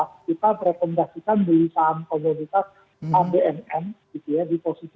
kita rekomendasikan beli saham komunitas abnm di posisi tiga ribu enam ratus tujuh puluh tiga ribu delapan ratus lima puluh